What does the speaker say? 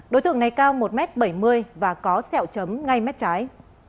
đối tượng này cao một m bảy mươi và có sẹo chấm ngay mép trái